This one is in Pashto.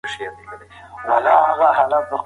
د بدن غړي یو له بل سره همکاري کوي.